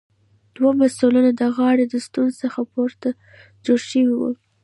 دوه مثلثونه د غاړې د ستنو څخه پورته جوړ شوي وو.